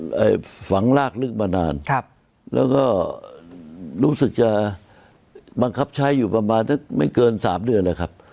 เอ่อฝังลากลึกมานานครับแล้วก็รู้สึกจะบังคับใช้อยู่ประมาณสักไม่เกินสามเดือนแล้วครับ